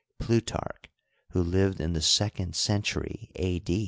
Plutarch, who lived in the second cent ury A.